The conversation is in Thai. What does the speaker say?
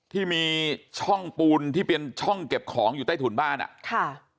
ที่มีช่องปูนที่เป็นช่องเก็บของอยู่ใต้ถุนบ้านอ่ะค่ะ